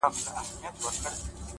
o غوږ سه ورته ـ